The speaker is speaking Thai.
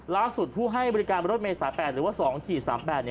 ล่าสุดผู้ให้บริการรถเมย์๓๘หรือว่า๒๔๓๘